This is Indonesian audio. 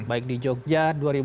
baik di jogja dua ribu enam